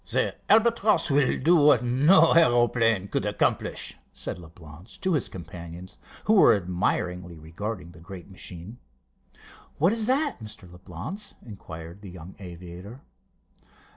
"The Albatross will do what no aeroplane could accomplish," said Leblance to his companions, who were admiringly regarding the great machine. "What is that, Mr. Leblance?" inquired the young aviator.